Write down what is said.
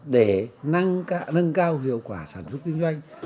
để nâng cao hiệu quả sản xuất kinh doanh